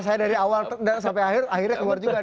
saya dari awal sampai akhir akhirnya keluar juga